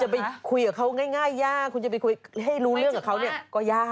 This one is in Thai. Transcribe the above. ไปคุยกับเขาง่ายยากคุณจะไปคุยให้รู้เรื่องกับเขาก็ยาก